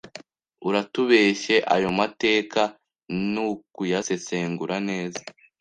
uratubeshye ayo amateka n’ukuyasesengura neza